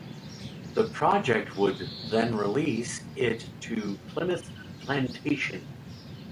The Project would then release it to Plimoth Plantation.